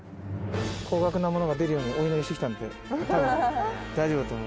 「高額なものが出るようにお祈りしてきたんで多分大丈夫だと思う」